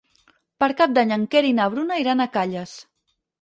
Per Cap d'Any en Quer i na Bruna iran a Calles.